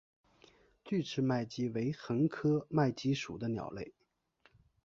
距翅麦鸡为鸻科麦鸡属的鸟类。